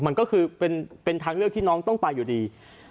มันก็คือเป็นทางเลือกที่น้องต้องไปอยู่ดี